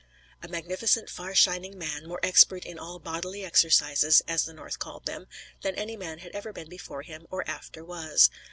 A magnificent, far shining man; more expert in all "bodily exercises," as the Norse called them, than any man had ever been before him, or after was.